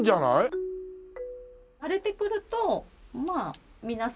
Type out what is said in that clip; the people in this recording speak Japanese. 慣れてくるとまあ皆さん。